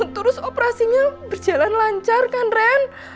terus operasinya berjalan lancar kan ren